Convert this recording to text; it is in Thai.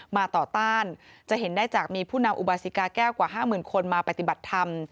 มาต่อต้านจะเห็นได้จากมีผู้นำอุบาสิกาแก้วกว่า๕๐๐๐คนมาปฏิบัติธรรม